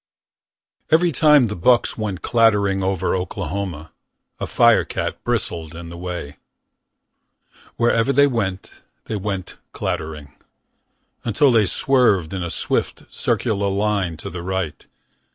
Every time the bucks went clattering Over Oklahoma A firecat bristled in the way. Wherever they went. They went clattering. Until they swerved. In a swift, circular line. To the right.